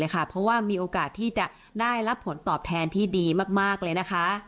ดูดด่วนเลยค่ะเพราะว่ามีโอกาสที่จะได้รับผลตอบแทนที่ดีมากเลยนะคะ